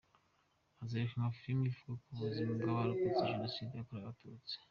Hazerekanwa filime ivuga ku buzima bw’abarokotse Jenoside yakorewe Abatutsi.